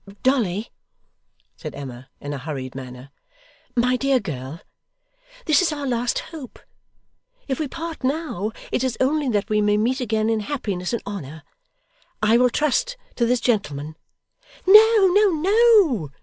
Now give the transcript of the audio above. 'Dolly,' said Emma, in a hurried manner, 'my dear girl, this is our last hope. If we part now, it is only that we may meet again in happiness and honour. I will trust to this gentleman.' 'No no no!